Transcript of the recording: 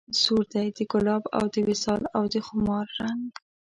سور دی د ګلاب او د وصال او د خمار رنګ